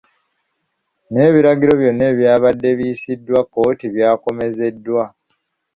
N'ebiragaliro byonna ebyabadde biyisiddwa kkooti by’akomezeddwa.